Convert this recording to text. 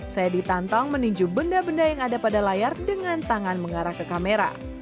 saya ditantang meninjau benda benda yang ada pada layar dengan tangan mengarah ke kamera